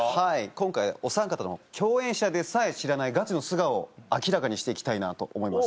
今回おさん方の共演者でさえ知らないガチの素顔を明らかにして行きたいなと思います。